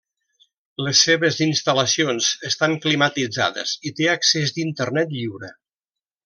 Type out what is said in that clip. Les seves instal·lacions estan climatitzades i té accés d'Internet lliure.